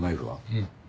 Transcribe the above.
うん。